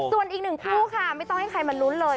ส่วนอีกหนึ่งคู่ค่ะไม่ต้องให้ใครมาลุ้นเลย